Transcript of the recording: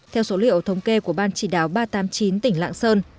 theo số liệu thống kê của ban chỉ đáo ba trăm tám mươi chín tỉnh lạng sơn